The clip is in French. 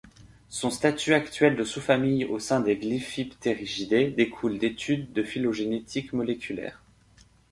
Son statut actuel de sous-famille au sein des Glyphipterigidae découle d'études de phylogénétique moléculaire.